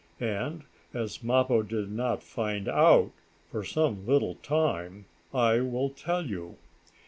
And, as Mappo did not find out for some little time I will tell you.